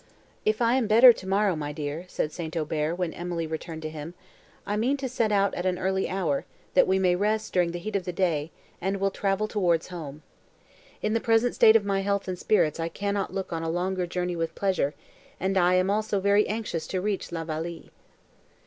"If I am better, tomorrow, my dear," said St. Aubert when Emily returned to him, "I mean to set out at an early hour, that we may rest, during the heat of the day, and will travel towards home. In the present state of my health and spirits I cannot look on a longer journey with pleasure, and I am also very anxious to reach La Vallée."